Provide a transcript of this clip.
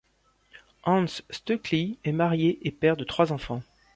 Hans Stöckli est marié et père de trois enfants.